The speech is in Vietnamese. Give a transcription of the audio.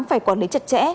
phải quản lý chặt chẽ